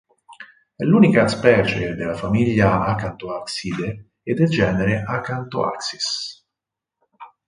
È l'unica specie della famiglia Acanthoaxiidae e del genere Acanthoaxis.